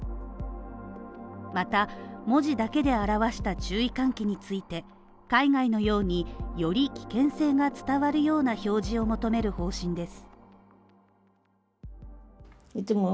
また、文字だけで表した注意喚起について、海外のように、より危険性が伝わるような表示を求める方針です。